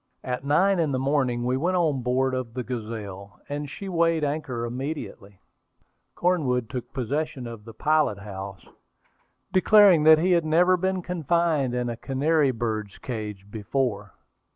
At nine in the morning we went on board of the Gazelle, and she weighed anchor immediately. Cornwood took possession of the pilot house, declaring that he had never been confined in a canary bird's cage before.